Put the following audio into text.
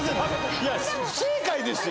いや不正解ですよ。